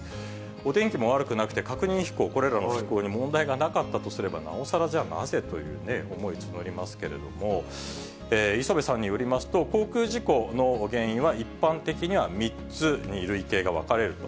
お天気も悪くなくて、確認飛行、これらの飛行に問題がなかったとすれば、なおさらじゃあ、なぜという思い募りますけれども、磯部さんによりますと、航空事故の原因は一般的には３つに類型が分かれると。